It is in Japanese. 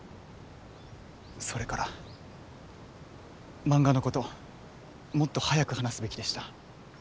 それから漫画のこともっと早く話すべきでした